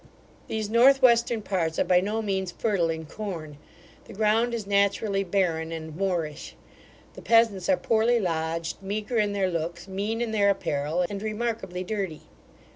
These north western parts are by no means fertile in corn. The ground is naturally barren and moorish. The peasants are poorly lodged, meagre in their looks, mean in their apparel, and remarkably dirty.